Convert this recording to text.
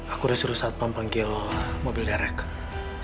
aku udah suruh satpam panggil mobil direct